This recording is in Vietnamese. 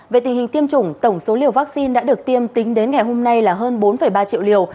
về tình hình tiêm chủng tổng số liều vaccine đã được tiêm tính đến ngày hôm nay là hơn bốn ba triệu liều